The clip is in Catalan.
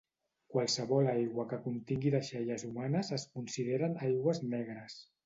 Qualsevol aigua que contingui deixalles humanes es consideren aigües negres.